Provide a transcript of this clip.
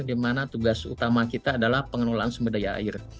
dimana tugas utama kita adalah pengenolaan jensum berdaya air